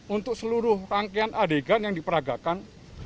untuk seluruh rangkaian adegan yang diperagakan